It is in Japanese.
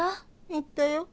行ったよ？